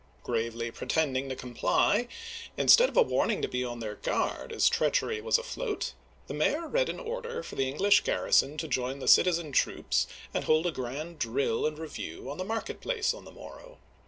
Gravely pretending to com ply, instead of a warning to be on their guard as treachery was afloat, the mayor read an order for the English garri son to join the citizen troops and hold a grand drill and review on the market place on the morrow.